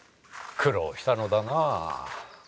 苦労したのだな。